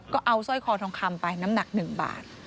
ก็เอาสร้อยคอทองคำไปน้ำหนัก๑บาท